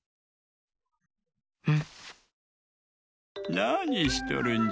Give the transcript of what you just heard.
なにしとるんじゃ？